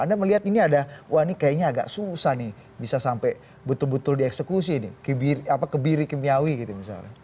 anda melihat ini ada wah ini kayaknya agak susah nih bisa sampai betul betul dieksekusi nih kebiri kimiawi gitu misalnya